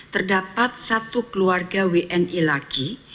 terdapat satu keluarga wni laki